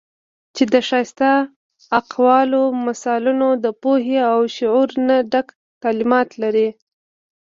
چې د ښائسته اقوالو، مثالونو د پوهې او شعور نه ډک تعليمات لري